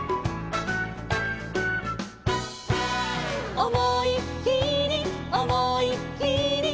「おもいっきりおもいっきり」